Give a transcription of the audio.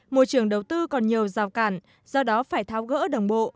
môi trường đầu tư còn nhiều rào cản do đó phải tháo gỡ đồng bộ